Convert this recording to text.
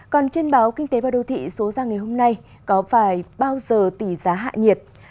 còn trên báo kinh tế và đô thị số ra ngày hôm nay có phải bao giờ tỷ giá hạ nhiệt